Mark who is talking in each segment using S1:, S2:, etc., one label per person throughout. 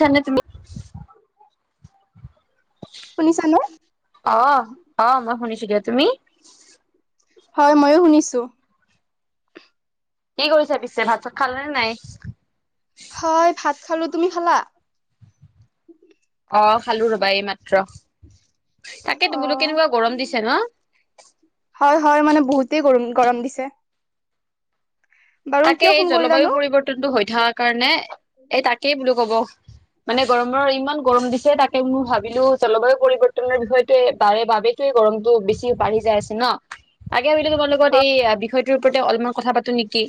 S1: ছাননে তুমি
S2: শুনিছানে?
S1: অ অ মই শুনিছো। তুমি?
S2: হয় ময়ো শুনিছো।
S1: কি কৰিছে পিছে, ভাত চাত খালেনে নাই?
S2: হয় ভাত খালো। তুমি খালা?
S1: অ খালো ৰবা এই মাত্ৰ। তাকেতো
S2: অ
S1: বোলো কেনেকুৱা গৰম দিছে ন'?
S2: হয় হয় মানে বহুতেই গৰম, গৰম দিছে। বাৰু
S1: তাকে
S2: কিয়
S1: এই
S2: ফোন
S1: জলবায়ু
S2: কৰিলানো?
S1: পৰিৱৰ্তনটো হৈ থকা কাৰণে এই তাকেই বোলো কব। মানে গৰমৰ ইমান গৰম দিছে তাকে মই ভাবিলো জলবায়ু পৰিৱৰ্তনৰ বিষয়টো বাৰে বাবে, গৰমটো বেছি বাঢ়ি যাই আছে ন। তাক তোম লগত
S2: হয়
S1: এই বিষয় ওপতে অলপমান কথা পাতো নেকি।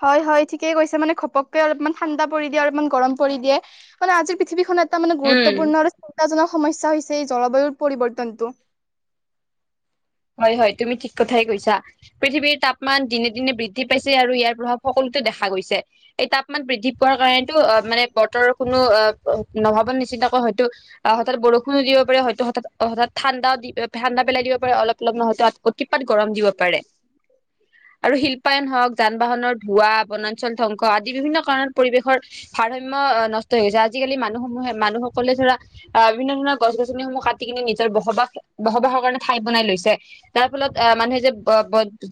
S2: হয় হয় ঠিকে কৈছে মানে, ঘপকে অলপমান ঠাণ্ডা পৰি দিয়ে, অলপমান গৰম পৰি দিয়ে মানে আজিৰ পৃথিৱীতখনত এটা মানে
S1: উম।
S2: গুৰুত্বপূৰ্ণ আৰু চিন্তাজনক সমস্যা হৈছে এই জলবায়ুৰ পৰিৱৰ্তনটো।
S1: হয় হয় তুমি ঠিক কথাই কৈছা। পৃথিৱীৰ তাপমান দিনে দিনে বৃদ্ধি পাইছে আৰু ইয়াৰ প্ৰভাৱ সকলো ইয়াতেদেখা গৈছে। এই তাপমান বৃদ্ধি পোৱাৰ কাৰণেতো অ মানে বতৰৰ কোনো অ নভাব নিচনা, চিন্তা হয়ত অ হঠাৎ বৰষুণো দিব পাৰে, হয়তো হঠাৎ হঠা ঠাণ্ডাও ঠাণ্ডা পেলাই দিব পাৰে অ মল নহয়তো অতিপাত গৰম দিব পাৰে। আৰু শিল্পায়ন হওক, যান বাহনৰ ধোৱা, বনাঞ্চল ধ্ববংস, আদি বিভিন্ন কাৰণত পৰিবেশ ভাৰসাম্য নষ্টছে আজিকালি মানুহ সমূহে মানুহসকলে ধৰা অ বিভিন্ন ধৰণৰ গছ গছনিসমূহ কাটি কিনে নিজৰ বসবাস বসবাহৰ কাৰণে ঠাই বনাই লৈছে। তাৰ ফলত আহ মানুহে যে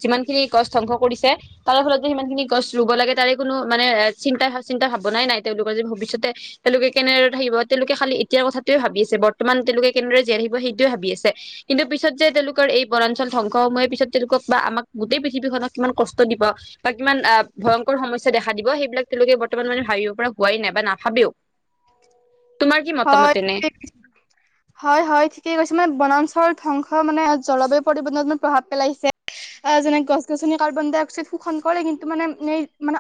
S1: যিমান খিনি গছ ধ্বংস কৰিছে তাৰ ফলত যে সিমান খিনি গছ ৰুব লাগে, তাৰে কোনো মানে চিন্তা চিন্তা ভাৱনাই নাই, তেওঁলোকৰ যে ভৱিষ্যতে তেওঁলোকে কেনেদৰে থাকিব। তেওঁলোকে খালি এতিয়া কথাটোয়ে ভাবি আছে, বৰ্তমান তেওঁলোকে কেনেদৰে জীয়াই সেইটোয়ে ভাবি আছে। কিন্তু যে তেওঁলোকে এই বনাঞ্চল ধ্বংসসমূহৰ পিছত তেওঁলোকক বা আমাক গোটেই পৃথিৱীখনক কিমান কষ্ট দিব বা কিমান আ- ভয়ংকৰ সমস্যা দেখা দিব, সেইবিলাক তেওঁলোকে বৰ্তমান মানে ভাবিব পৰা হোৱাই নাই বা নাভাবেও। [unintelligible]
S2: হয়
S1: মতামত এনে
S2: ঠিকে হয় হয় ঠিকে কৈছে মানে বনাঞ্চল ধংস স মানে জলবায়ু পৰিবৰ্তণত ম প্ৰভাৱ পেলাইছে। আহ যেনে গছ গছনি কাৰ্বন ডাই অক্সাইড শোষণ কৰে, কিন্তু মানে মানে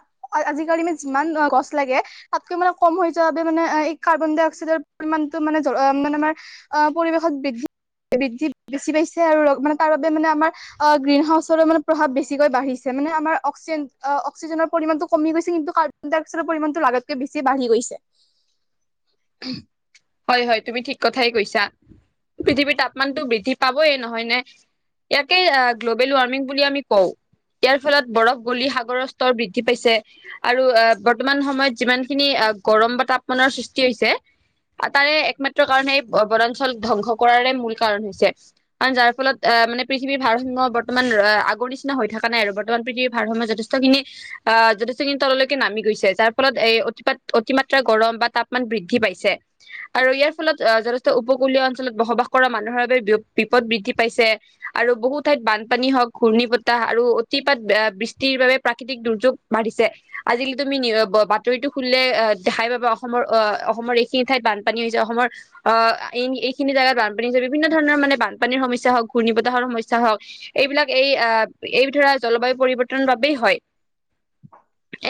S2: আজিকালি মান যিমান গছ লাগে, তাতকৈ মানে কম হৈ যোৱাৰ বাবে এই কাৰ্বন দাই অক্সাইড অক্সিজেন পৰিমাণটো মানে মানে আমাৰ অহ পৰিৱেশত বৃদ্ধি বৃদ্ধি বেছি পাইছে আৰু ৰ মানে তাৰ বাবে মানে আমাৰ অ গ্ৰীণ হাউচৰ মানে প্ৰভাৱ বেছিকৈ বাঢ়িছে। মানে আমাৰ অক্সজেন অক্সিজেন পৰিমাণটো কমি গৈছে, কিন্তু কাৰ্বন ডাইক্সাইডৰ পৰিমানটো লগাতকে বেছি বাঢ়ি গৈছে।
S1: [unintelligible]
S2: [unintelligible]
S1: হয় হয় তুমি ঠিক কথাই কৈছা। পৃথিৱীৰ তাপমানতটো বৃদ্ধি পাবয়ে নহয় নে। ইয়াকেই গ্ল'বেল ৱাৰ্মিং বুলি আমি কওঁ। ইয়াৰ ফলত বৰফ গলি সাগৰৰ স্তৰ বৃদ্ধি পাইছে আৰু আহ বৰ্তমান সময়ত যিমান খিনি। গৰম বতা তাপমানৰ সৃষ্টি হৈছে তাৰে একমাত্ৰ কাৰণ এই বনাঞ্চল ধ্বংস কৰাৰে মূল কাৰণ হৈছে কাৰন যাৰ ফলত আহ। মানে পৃথিৱীৰ ভাৰসম্য বৰ্তমান আগৰ নিচিনা হৈ থকা নাই আৰু বৰ্তমান পৃথিৱীৰ ভাৰসাম্য যথষ্টখিনি। যথেষ্ট দিন তললৈকে নামি গৈছে যাৰ ফলত এ অতি অতিমাত্ৰা গৰম বা তাপমান বৃদ্ধি পাইছে। আৰু ইয়াৰ ফলত আহ যথেষ্ট উপকূলীয় অঞ্চলত বসবাস কৰা মানুহৰ বাবে বিপদ বৃদ্ধি পাইছে। আৰু বহু ঠাইত বানপানী হওক ঘূৰ্ণী পতাহ আৰু অতিপাত বৃষ্টিৰ বাবে প্ৰাকৃতিক দুৰ্যোগ। বাতৰিটো খাই পাবা অসমৰ অসমৰ। ঠাইত বানপানী হৈছে অসমৰ আহ এইখিনি জেগাত বানপানী হৈছে বিভিন্ন ধৰণৰ মানে বানপানীৰ সমস্যা হওক ঘূৰ্ণী নিপতাহৰ সমস্যা হওক এইবিলাক এই আহ এই ধৰা জলবায়ু পৰিৱৰ্তনৰ বাবেই হয়।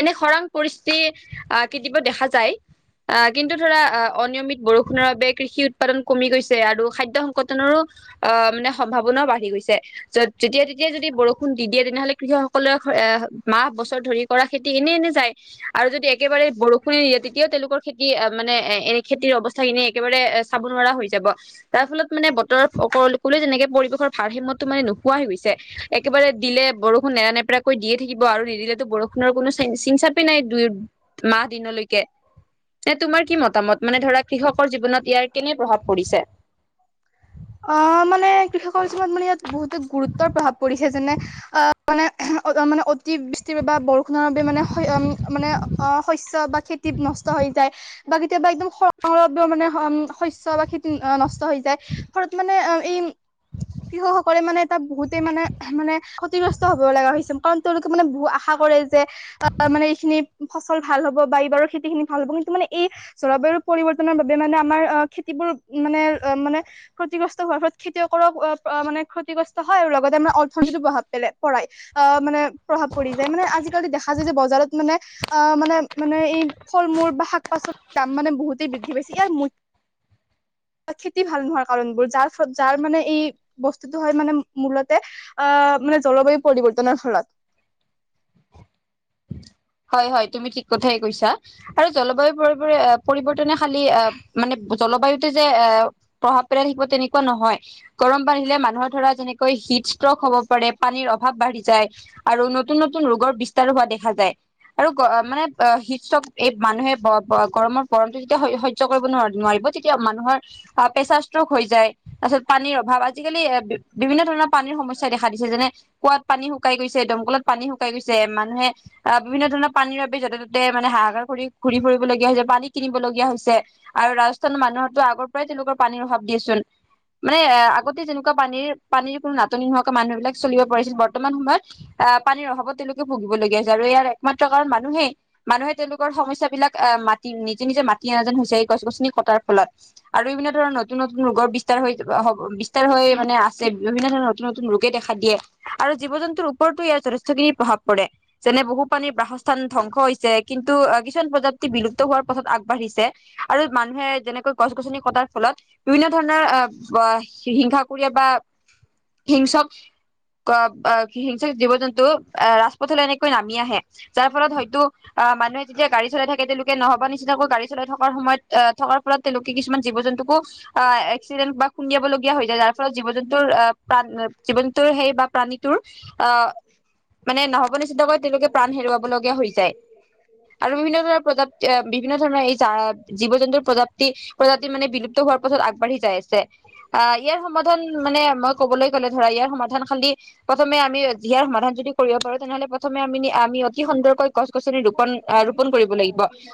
S1: এনে খৰাং পৰিস্থিতি আহ কেতিবা দেখা যায় আহ কিন্তু ধৰা অনিয়মিত বৰষুণৰ বাবে কৃষি উৎপাদন কমি গৈছে আৰু খাদ্য সংগঠনৰ। অঁ মানে সম্ভাৱনাও বাঢ়ি গৈছে য'ত যেতিয়া তেতিয়া যদি বৰষুণ দি দিয়ে তেনেহলে কৃষকসকলে এ মাহ বছৰ ধৰি কৰা খেতি এনে এনে যায় আৰু যদি একেবাৰে। বৰষুণ দিয়ে তেতিয়াও তেওঁলোকৰ খেতি মানে এনে। অৱস্থা খিনি একেবাৰে চাব নোৱাৰা হৈ যাব তাৰ ফলত মানে বতৰ অলে যেনেকে পৰিৱেশৰ ভাৰ সিমতো মানে নোখোৱাই হৈছে একেবাৰে দিলে বৰষুণ নেৰা নেপেৰাকৈ দিয়ে থাকিব আৰু নিদিলেতো বৰষুণ। আপোনাৰ কোনো চ চিন চাপি নাই দুই মাহ দিনলৈকে ন তোমাৰ কি মতামত। মানে ধৰা কৃষকৰ জীৱনত ইয়াৰ কেনে প্ৰভাৱ পৰিছে।
S2: অঁ মানে কৃষকৰ। মানে ইয়াত বহুতে গুৰুত্বৰ প্ৰভাৱ পৰিছে যেনে অ মানে মানে অতিবৃষ্টিৰ বা। বৰষুণ বাবে উম মানে অঁ শস্য বা খেতি নষ্ট হৈ যায়। লব মানেম শস্য বা খেতি নষ্ট হৈ যায় ঘৰত মানে এই। কৃষকসকলে মানে এটা বহুতেই মানে মানে ক্ষতিগ্ৰস্ত হব লগা হৈ হৈছে কাৰণ তেওঁলোকে মানে বহুত আশা কৰে। যে অ মানে এইখিনি। ফচল ভাল হব বা এইবাৰৰ খেতি খিনি ভাল হব কিন্তু মানে এই জলবায়ু পৰিবৰ্তনৰ বাবে মানে আমাৰ অ খেতি। মানে মানে ক্ষতিগ্ৰস্ত হোৱাৰ ফলত খেতিয়ক মানে ক্ষতিগ্ৰস্ত হয় আৰু লগতে মানে অৰ্থনীতি প্ৰভাৱ পেল পই আহ মানে প্ৰভাৱ পৰি। মানে আজালি দেখা যায় যে বজাৰত মানে মানে মানে এই ফল মূল বা শাক পাচলি। মানে বহুতেই বৃদ্ধি পাইছে ইয়াৰ মূ
S1: [unintelligible]
S2: খেতি ভাল নোহোৱাৰ কাৰণবোৰ যাৰ যাৰ মানে। এই বস্তুটো হয় মানে মূলতে আহ মানে জলবায়ু পৰিৱৰ্তনৰ ফলত।
S1: [unintelligible] হয় হয় তুমি ঠিক কথাই কৈছা আৰু জলবায়ু পৰি পৰিৱৰ্তনে খালী মানে জলবায়ুত যে এ প্ৰভাৱ পেলাই থিব তেনেকুৱা নহয় গৰম পানীলে মানুহৰ ধৰা যেনেকৈ। হিট ষ্ট্ৰক হব পাৰে পানীৰ অভাৱ বাঢ়ি যায় আৰু নতুন নতুন ৰোগৰ বিস্তাৰো হোৱা দেখা যায়। আৰু মানে অ শিক এই মানুহে গৰমৰ গৰমতটো যেতিয়া সহ্য় কৰিব নোৱাৰ নোৱাৰি। গতিকে মানুহৰ প্ৰেচাৰ ইষ্টক হৈ যায় আচলতে পানীৰ অভাৱ আজিকালি বিভিন্ন ধৰণৰ। পানীৰ সমস্যা দেখা দিছে যেনে কুৱাত পানী শুকাই গৈছে দমকলত পানী শুকাই গৈছে মানুহে আহ বিভিন্ন ধৰণৰ পানীৰ বাবে য'তে ত'তে মানে হাহাকাৰ কৰি ঘূৰি ফুবলগীয়া হৈছে পানী কিনিব লগগীয়া হৈছে আৰু। ৰাজস্থানৰ মানুহতো আগৰ পৰাই তেওঁলোকৰ পানীৰ অভাৱিয়চোন। মানে এ আগতে যেনেকুৱা পানীৰ পানীৰ কোনো নাটনি নোহোৱাকে মানুহ বিলাক চলিব পাৰিছিল বৰ্তমান সময়ত আহ পানীৰ অভাৱত তেওঁলোকে ভুগিবলগীয়াছিল আৰু ইয়াৰ। একমাত্ৰ কাৰণ মানুহে মানুহে তেওঁলোকৰ সমস্যাবিলাকৰ আহ মাতি নিজে নিজে মাতি অনা যেন হৈছে এই গছ গছনি। ফলত আৰু বিভিন্ন ধৰণৰ নতুন নতুন ৰোগৰ বিস্তাৰ হৈ হ বিস্তাৰ হৈ মানে আছে বিভিন্ন ধৰণ নতুন নতুন ৰোগে দেখা দিয়ে আৰু জীৱ জন্তুৰ ওপৰতো ইয়াৰ যথেষ্টখিনি প্ৰভাৱ পৰে যেনে বহুত। পানীৰ বাসস্থান ধ্ববংস হৈছে কিন্তু অ কিছুমান প্ৰজাপ্তি বিলুপ্ত হোৱাৰ পথত আগবাঢ়িছে। আৰু মানুহে যেনেকৈ গছ গছনি কটাৰ ফলত বিভিন্ন ধৰণৰ আহ হিংসা কোৰিয়া বা হিংসক ক অ হিংস্ৰ জীৱ জন্তু আহ ৰাজপথলৈ এনেকৈ নামি আহে। যাৰ ফলত হয়তো অ মানুহে তেতিয়া গাড়ী চলাই থাকে তেওঁলোকে নহবা নিচিনাকৈ গাডী চলাই থকাৰ সময়ত থকাৰ ফলত তেওঁলোকে কিছুমান জীৱ জন্তুকো অ এক্সিডেন্ট বা খুন্দিয়িবলগীয়া হৈ যায়। যাৰ ফলত জীৱ জন্তুৰ প্ৰাণ জীৱ জন্তুৰ সেই বা প্ৰাণীটোৰ অঁ মানে নভবা নিচিন্তাকৈ তেওঁলোকে প্ৰাণ হে হেৰুৱাব লগীয়া হৈ যায় আৰু বিভিন্ন ধৰ প্ৰজাপ্তি বিভিন্ন ধৰণৰ এই জীৱ জন্তুৰ প্ৰজাপ্তি প্ৰজাপ্তি মানে বিলুপ্ত হোৱাৰ পথত আগবাঢ়ি যায়। ছে ইয়াৰ সমাধান মানে মই কবলৈ গলে ধৰা ইয়াৰ সমাধান খালি প্ৰথমে আমি এইয়াৰ সমাধান যদি কৰিব পাৰো তেনেহলে প্ৰথমে আমি অতি সুন্দৰ কৈ গছ গছনি ৰোপণ ৰোপণ কৰিম।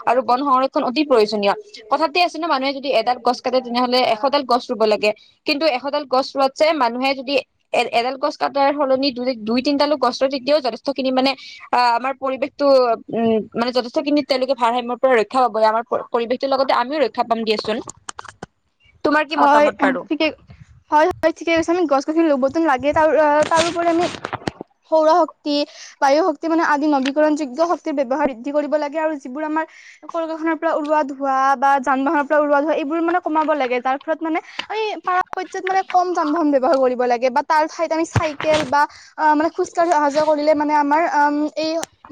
S1: আৰু বন সংৰক্ষণ অতি প্ৰয়োজনীয়। কথাতে আছে ন মানুহে যদি এডাল গছ কাটে তেনেহ'লে এশডাল গছ ৰুব লাগে কিন্তু এশডাল গছ ৰুৱাত যে মানুহে যদি এ এডাল গছ কাটাৰ সলনি দু দুই তিনিটা ডাল গছ ৰুৱে তেতিয়াও যথেষ্ট। খিনি মানে অ আমাৰ পৰিৱেশটো উম মানে যথেষ্টখিনিত তেওঁলোকে ভাৰসাম্যৰ পৰা ৰক্ষা পাব আমাৰ পৰিৱেশটোৰ লগতে আমিও ৰক্ষা পাম দিয়াচোন। তোমাৰ কি
S2: হয়
S1: মতামত বাৰু
S2: ঠিকেই হয় হয় ঠিকে কৈছে আমি গছ গছনি ৰুবতো লাগে তাৰ তাৰোপৰি আমি সৌৰশ শক্তি, বায়ু শক্তি মানে আদি নবীকৰণ যোগ্য শক্তিৰ ব্যৱহাৰ বৃদ্ধি কৰিব লাগে আৰু যিবোৰ আমাৰ পৰিবেশ ৰ পৰা ওলোৱা ধোৱা বা যান বাহনৰ পৰা ওলোৱা ধোৱা এইবোৰ মানে কমাব লাগে। তাৰ ফলত মানে পৰা প্ৰায়ত মানে কম যানবাহন ব্যৱহাৰ কৰিব লাগে বা তাৰ ঠাইত আমি চাইকেল। বা অ মানে খোজকাঢ়ি অহা যোৱা কৰিলে মানে আমাৰ উম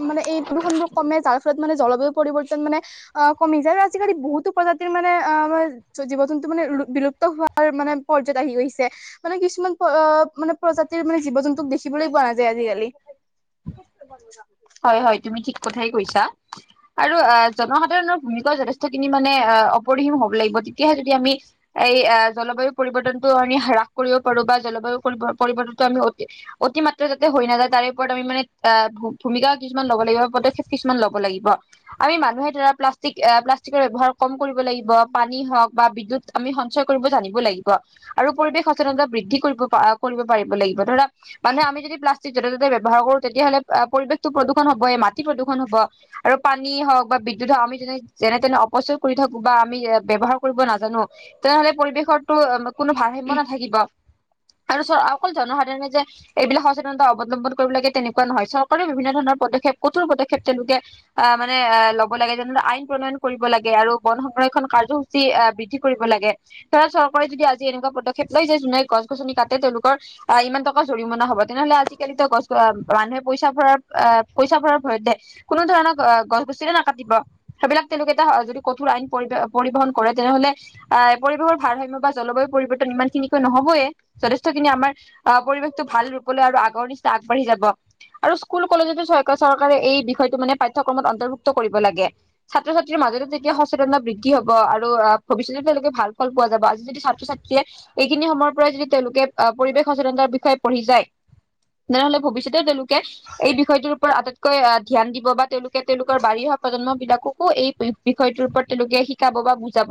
S2: মানে এই এই প্ৰদূষণবোৰ কমে যাৰ ফলত মানে জলবায়ু পৰিৱৰ্তন মানে অ কমি যায় আৰু আজিকালি বহুতো প্ৰজাতিৰ মানে অ আমাৰ জীৱ জ জন্তু মানে বিলুপ্ত হোৱাৰ মানে পৰ্যত আহি গৈছে, মানে কিছুমান মানে প্ৰজাতিৰ মানে জীৱ জন্তুক দেখিবলৈ পোৱা নাযায় আজিকালি।
S1: হয় হয় তুমি ঠিক কথাই কৈছা। আৰু আহ জনসাধাৰণৰ ভূমিকাও যথেষ্টখিনি মানে আহ অপৰিহীম হব লাগিব তেতিয়াহে যদি আমি। এই জলবায়ু পৰিৱৰ্তন টো আমি হ্ৰাস কৰিব পাৰো বা জলবায়ু পৰি পৰিৱৰ্তনতটো আমি অতি অতিমাত্ৰা যাতে হৈ নাযায় তাৰে ওপৰত আমি মানে অ ভূমিকা কিছুমান ল'ব লাগিব, পদক্ষেপ কিছুমান ল'ব লাগিব। আমি মানুহে ধৰা প্লাষ্টিক প্লাষ্টিকৰ ব্যৱহাৰ কম কৰিব লাগিব। পানী হওক বা বিদ্যুৎ আমি সঞ্চয় কৰিব জানিব লাগিব আৰু পৰিৱেশ সচেতনতা বৃদ্ধি কৰিব পাৰিব কৰিব পাৰিব লাগিব ধৰা। মানুহে আমি যদি প্লাষ্টিক য'তে ত'তে ব্যৱহাৰ কৰো তেতিয়াহ'লে পৰিৱেশতটো প্ৰদূষণ হব। এই মাটি প্ৰদূষণ হব আৰু পানী হওক বা বিদ্যুৎ হওক আমি যেনে যেনে তেনে অপচ কৰি থাকো বা আমি ব্যৱহাৰ কৰিব নাজানো তেনেহলে পৰিৱেশতো কোনো ভাৰসাম্য নাথাকিব। আৰু চ অকল জনসাধাৰণে যে এইবিলাক সচেতনতা অৱলম্বন কৰিব লাগে তেনেকুৱা নহয় চব চৰকাৰে বিভিন্ন ধৰণৰ পদক্ষেপ কঠোৰ পদক্ষেপ তেওঁলোকে আহ মানে এ ল'ব লাগে যেনে আইন প্ৰণয়ন কৰিব লাগে। আৰু বন সংৰক্ষণ কাৰ্যসূচী আহ বৃদ্ধি কৰিব লাগে। ধৰা চৰকাৰে যদি আজি যে এনেকুৱা পদক্ষেপ লৈ যে যোনে গছ গছনি কাটে তেওঁলোকৰ আহ ইমান টকা জৰিমনা হব তেনেহলে আজিকালিতো গছ মানুহে পইচা ভৰাৰ আহ পইচা ভৰাৰ ভয়তহে কোনো ধৰণৰ গছ গছিৰে নাকাতিব সেইবিলাক তেনেকুৱা এটা। যদি কঠোৰ আইন পৰিবহন কৰে তেনেহলে আহ পৰিৱেশৰ ভাৰসাম্য বা জলবায়ু পৰিৱৰ্তন ইমান খিনিকৈ নহবয়ে। যথেষ্টখিনি আমাৰ আহ পৰিৱেশটো ভাল ৰূপলৈ আৰু আগৰ নিচিনা আগবাঢ়ি যাব। আৰু স্কুল কলেজতো চকাৰ চৰকাৰে এই বিষয়টো মানে পাঠ্যক্ৰমত অন্তৰ্ভুক্ত। ত কৰিব লাগে। ছাত্ৰ ছাত্ৰীৰ মাজত তেতিয়া সচেতনা বৃদ্ধি হব আৰু আহ ভৱিষ্যতে তেওঁলোকে ভাল ফল পোৱা যাব আজি যদি ছাত্ৰ ছাত্ৰীয়ে এইখিনি সময়ৰ পৰাই যদি তেওঁলোকে আহ পৰিবেশ সচেতন বিষয়ে পঢ়ি যায়। তেনেহলে ভৱিষ্যতেও তেওঁলোকে এই বিষয়টোৰ ওপৰত আটাইতকৈ ধ্যান দিব বা তেওঁলোকে তেওঁলোকৰ বাৰি প্ৰজন্ম বিলাককো এই বিষয়টোৰ ওপৰত তেওঁলোকে শিকাব বা বুজাব।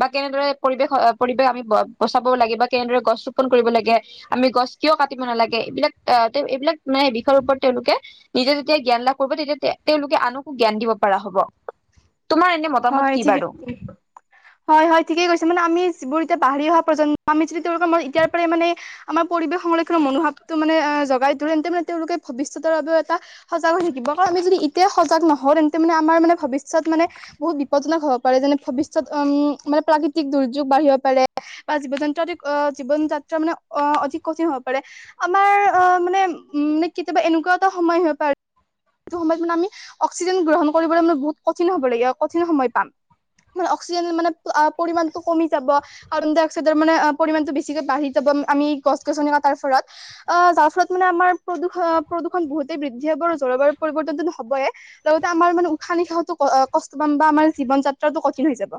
S1: বা কেনেদৰে পৰিৱেশ পৰিৱেশ আমি বচাব লাগে বা কেনেদৰে গছ ৰোপন কৰিব লাগে। আমি গছ কিয় কাটি নালাগে এইবিলাক অ এইবিলাক। মানে ওপৰত তেওঁলোকে নিজে যেতিয়া জ্ঞান লাভ কৰিব তেতিয়া তেওঁলোকে আনকো জ্ঞান দিব পৰা হ'ব। তোমাৰ এনে মতামত
S2: হয়
S1: কি
S2: ঠিকে
S1: বাৰু
S2: হয় হয় ঠিকে কৈছে মানে আমি। তেতিয়া বাঢ়ি অহা প্ৰজন্ম আমি যদি তেওঁলোকে ম এতিয়াৰ পৰাই মানে আমাৰ পৰিৱেশ সংৰক্ষণ মনোভাৱটো মানে জাগাই তেন্তে মানে তেওঁলোকে ভৱিষ্যতৰ বাবেও এটা সজাগ হৈ থাকিব কাৰণ আমি যদি এতিয়া সজাগ নহওঁ তেন্তে মানে আমাৰ মানে। ভৱিষ্যত মানে। বহুত বিপদ্জনক হব পাৰে। যেনে ভৱিষ্যত উম মানে প্ৰাকৃতিক দুৰ্যোগ বাঢ়িব পাৰে বা জীৱ জন্তু অ'। অ জীৱন যাত্ৰা মানে অ অধিক কঠিন হব পাৰে আমাৰ অ মানে উ মানে কেতিয়াবা এনে। এনেকুৱা এটা সময় পৰ টো যিটো সময় মানে আমি অক্সিজেন গ্ৰহণ কৰিবলৈ মানে বহুত কঠিন হ'ব লাগিব। কঠিন সময় পাম। মানে অক্সিজেন মানে পৰিমাণতটো কমি যাব। কাৰ্বন ডাই অক্সাইডৰ মানে পৰিমাণটো বেছিকে বাঢ়ি যাব। কম আমি গছ গছনি কটাৰ ফলত যাৰ ফলত মান আমাৰ প্ৰদূষণ বহুতে বৃদ্ধি হ'ব জলবায়ু প্ৰদূষণ হবই আমাৰ উশাহ নিশাহ কষ্ট বা আমাৰ জীৱন যাত্ৰাটো কঠিন হৈ যাব।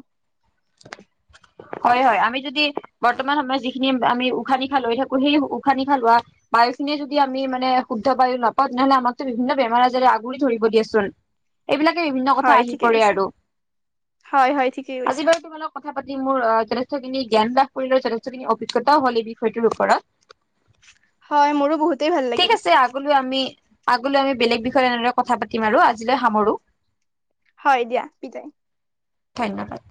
S1: হয় হয়। আমি যদি বৰ্তমান সময়ত যিখিনি আমি উশাহ নিশা লৈ থাকো সেই উশাহ নিশা লোৱা বায়ু। নে যদি আমি মানে শুদ্ধ বায়ু নাপাওঁ। তেনেহ'লে আমাকতো বিভিন্ন বেমাৰ আজাৰৰে আগুৰি ধৰিব দিয়েচোন। এইবিলাকে বিভিন্ন কথা
S2: হয়
S1: আহি
S2: ঠিকেই
S1: পৰে
S2: কৈছা
S1: আৰু
S2: হয় হয় ঠিকেই
S1: আজি
S2: কৈছা
S1: বাৰু তোমালোক কথা পাতি। মোৰ যথেষ্টখিনি জ্ঞান লাভ কৰি যথেষ্টখিনি অভিজ্ঞতাও হ'ল এই বিষয়টোৰ ওপৰত।
S2: হয় মোৰো বহুতেই ভাল লাগিল
S1: ঠিক আছে আগলৈ আমি। আগলৈ আমি বেলেগ বিষয়ে এনেদৰে কথা পাতিম আৰু আজিলৈ সামৰো।
S2: হয় দিয়া বিদায়।
S1: ধন্যবাদ।